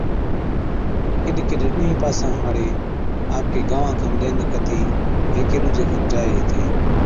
ڪِڏَ ڪِڏَ ڏُونَھين پاسان ھاڙي آپڪي گانوان کن ڄَڃ ڪَتِي ھيڪي ڏُوجي کن جائي ھِتي